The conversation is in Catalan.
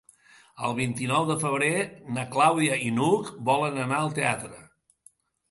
El vint-i-nou de febrer na Clàudia i n'Hug volen anar al teatre.